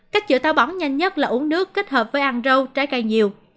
các chữa táo bóng nhanh nhất là uống nước kết hợp với ăn râu trái cây nhiều